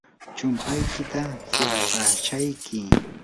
chumpaykita hirapashayki.